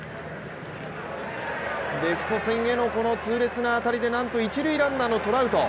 レフト線へのこの痛烈な当たりで、なんと一塁ランナーのトラウト。